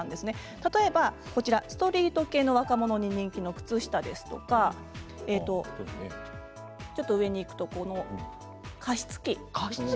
例えばストリート系の若者に人気の靴下ですとかちょっと上にいくと加湿器。